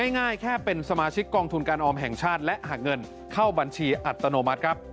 ง่ายแค่เป็นสมาชิกกองทุนการออมแห่งชาติและหักเงินเข้าบัญชีอัตโนมัติครับ